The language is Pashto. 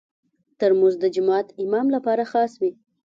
ترموز د جومات امام لپاره خاص وي.